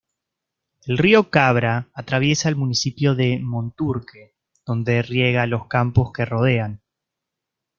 El río Cabra, atraviesa el municipio de Monturque, donde riega los campos que rodean.